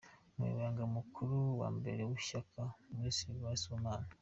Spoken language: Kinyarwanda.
Umunyamabanga mukuru wa mbere w’Ishyaka : M. Sylvain Sibomana